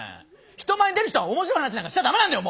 人前に出る人は面白い話なんかしちゃ駄目なんだよ